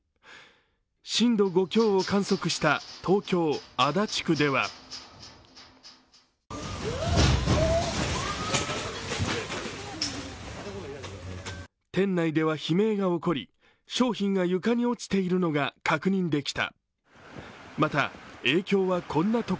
震度５強を観測した東京・足立区では店内では悲鳴が起こり商品が床に落ちているのが確認できた。